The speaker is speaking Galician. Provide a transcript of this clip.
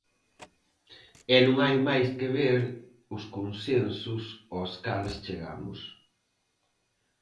E non hai máis que ver os consensos aos cales chegamos.